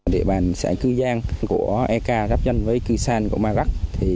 địa bàn xã cư giang của ek gặp nhân với cư sàn của ma gắc